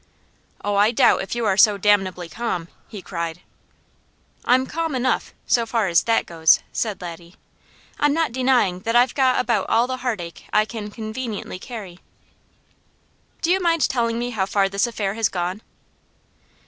"Oh I doubt if you are so damnably calm!" he cried. "I'm CALM enough, so far as that goes," said Laddie. "I'm not denying that I've got about all the heartache I can conveniently carry." "Do you mind telling me how far this affair has gone?"